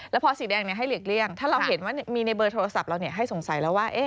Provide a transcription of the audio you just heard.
แล้วพอสีแดงให้หลีกเลี่ยงถ้าเราเห็นว่ามีในเบอร์โทรศัพท์เราให้สงสัยแล้วว่า